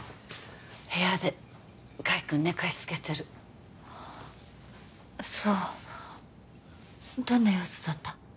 部屋で海くん寝かしつけてるそうどんな様子だった？